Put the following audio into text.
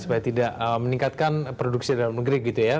supaya tidak meningkatkan produksi dalam negeri gitu ya